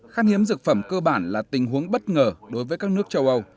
khát hiếm dược phẩm cơ bản là tình huống bất ngờ đối với các nước châu âu